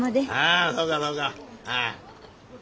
あそうかそうか。